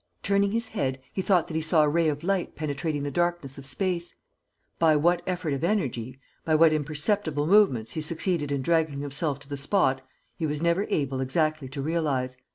Turning his head, he thought that he saw a ray of light penetrating the darkness of space. By what effort of energy, by what imperceptible movements he succeeded in dragging himself to the spot he was never able exactly to realize.